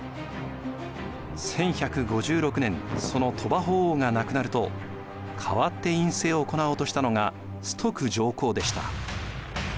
１１５６年その鳥羽法皇が亡くなると代わって院政を行おうとしたのが崇徳上皇でした。